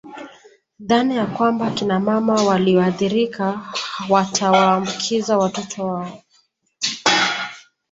Dhana ya kwamba Kina mama walioathirika watawaambukiza watoto wao